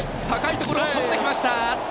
高いところを飛んできました。